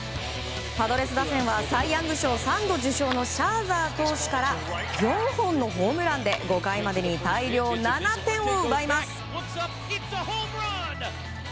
パドレス打線はサイ・ヤング賞３度受賞のシャーザー投手から４本のホームランで５回までに大量７点を奪います。